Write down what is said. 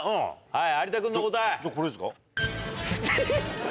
はい。